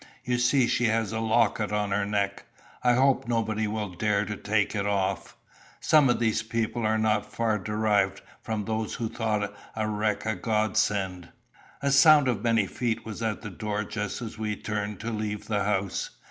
"You see she has a locket on her neck; I hope nobody will dare to take it off. Some of these people are not far derived from those who thought a wreck a Godsend." A sound of many feet was at the door just as we turned to leave the house.